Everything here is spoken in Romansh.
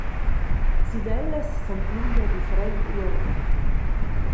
Sin ellas s’empluna different uorden.